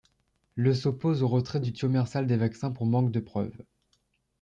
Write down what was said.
Le s'oppose au retrait du thiomersal des vaccins pour manque de preuves.